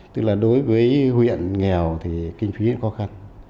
tức là đối với huyện nghèo thì kinh phí khó khăn